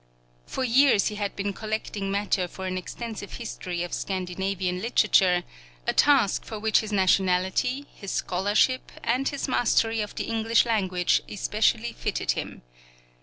For years he had been collecting matter for an extensive history of Scandinavian literature, a task for which his nationality, his scholarship, and his mastery of the English language especially fitted him.